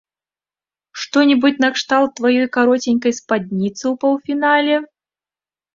Што-небудзь накшталт тваёй кароценькай спадніцы ў паўфінале?